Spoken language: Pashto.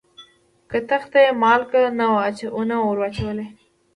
کتغ ته یې مالګه نه وه وراچولې.